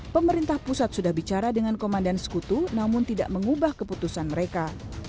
pemerintah pusat sudah bicara dengan komandan sekutu namun tidak mengubah keputusan mereka